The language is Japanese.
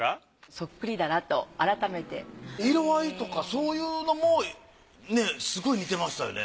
そっくりだなと改めて。色合いとかそういうのもねすごい似てましたよね。